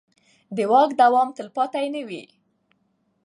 د واک دوام تلپاتې نه وي